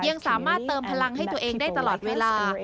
ยังสามารถเติมพลังให้ตัวเองได้ตลอดเวลา